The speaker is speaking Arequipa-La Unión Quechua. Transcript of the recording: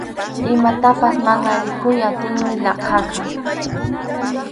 Imapas mana rikukuy atiymi laqhaqa.